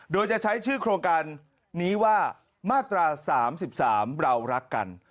โดยจะใช้ชื่อโครงการนี้ว่ามาตรา๓๓เรารักกัน